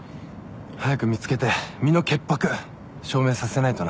早く見つけて身の潔白証明させないとな。